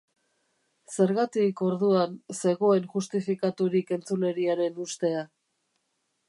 Zergatik, orduan, zegoen justifikaturik entzuleriaren ustea?